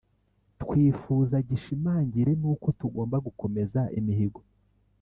Twifuza gishimangire n uko tugomba gukomeza imihigo